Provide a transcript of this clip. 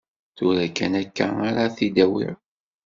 Tura kan akka ara t-id-awiɣ.